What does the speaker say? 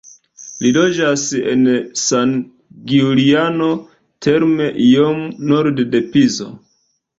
Li loĝas en San Giuliano Terme iom norde de Pizo.